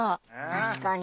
確かに。